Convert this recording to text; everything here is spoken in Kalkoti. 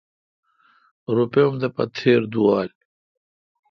روپے اؙم دہ پہ تھیر دوال۔